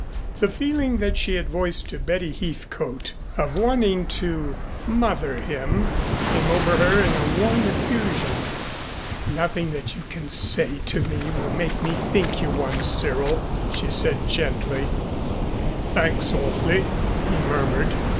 The feeling that she had voiced to Betty Heathcote of wanting to "mother" him came over her in a warm effusion. "Nothing that you can say to me will make me think you one, Cyril," she said gently. "Thanks awf'ly," he murmured.